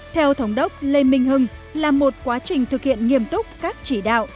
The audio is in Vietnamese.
theo thống đốc lê minh hưng là một quá trình thực hiện nghiêm túc các chỉ đạo